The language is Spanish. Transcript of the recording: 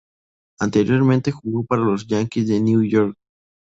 Anteriormente jugó para los Yankees de Nueva York.